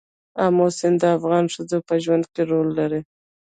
آمو سیند د افغان ښځو په ژوند کې رول لري.